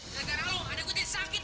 jangan rauh adikku ini sakit